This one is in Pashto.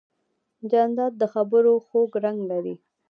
جانداد د خبرو خوږ رنګ لري.